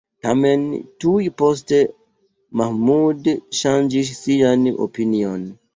Tamen, tuj poste Mahmud ŝanĝis sian opinion.